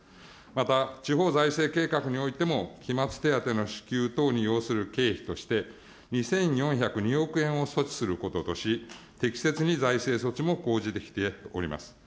また、地方財政計画においても、期末手当の支給等に要する経費として、２４０２億円を措置することとし、適切に財政措置も講じてきております。